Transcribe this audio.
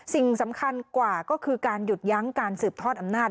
สิ่งสำคัญกว่าก็คือการหยุดยั้งการสืบทอดอำนาจ